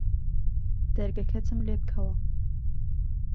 دەرگەکەتم لێ بکەوە